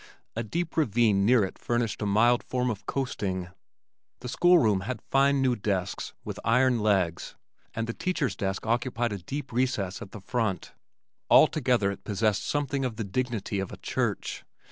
A deep ravine near it furnished a mild form of coasting. The schoolroom had fine new desks with iron legs and the teacher's desk occupied a deep recess at the front. Altogether it possessed something of the dignity of a church.